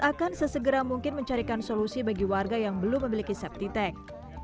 akan sesegera mungkin mencarikan solusi bagi warga yang belum memiliki septi tank